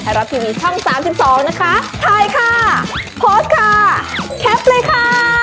ให้รับทีวีช่อง๓๒นะคะถ่ายค่ะโพสต์ค่ะแคปเลยค่ะ